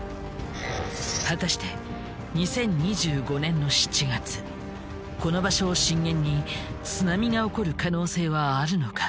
果たして２０２５年の７月この場所を震源に津波が起こる可能性はあるのか？